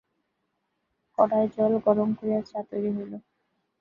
কড়ায় জল গরম করিয়া চা তৈরি হইল।